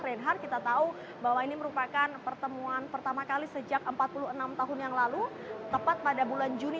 renhar kita tahu bahwa ini merupakan pertemuan pertama kali sejak empat puluh enam tahun yang lalu tepat pada bulan juni seribu sembilan ratus tujuh puluh